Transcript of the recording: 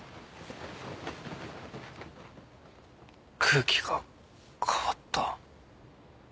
空気が変わった。